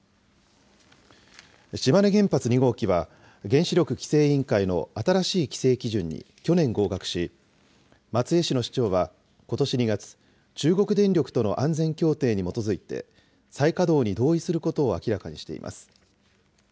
島根原発２号機は、原子力規制委員会の新しい規制基準に去年合格し、松江市の市長はことし２月、中国電力との安全協定に基づいて、再稼働に同意することを明らかにしています。